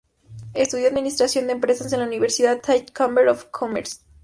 Estudió administración de empresas en la University Thai Chamber of Commerce.